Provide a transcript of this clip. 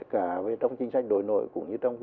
cả trong chính sách đổi nội cũng như trong